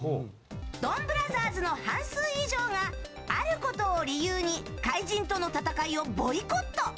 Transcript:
ドンブラザーズの半数以上があることを理由に怪人との戦いをボイコット！